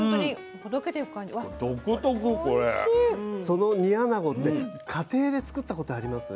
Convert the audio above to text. その煮あなごって家庭で作ったことあります？